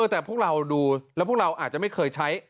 แต่พวกเราดูแล้วพวกเราอาจจะไม่เคยใช้